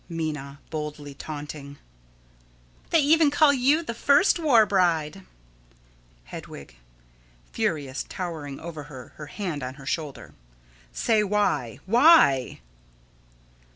Minna: [Boldly taunting.] They even call you the first war bride. Hedwig: [Furious, towering over her, her hand on her shoulder.] Say why, why?